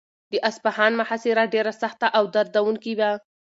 د اصفهان محاصره ډېره سخته او دردونکې وه.